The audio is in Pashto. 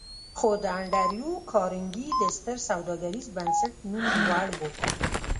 خو د انډريو کارنګي د ستر سوداګريز بنسټ نوم لوړ و.